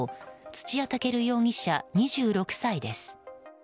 土屋健瑠容疑者、２６歳です。